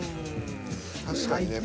確かにね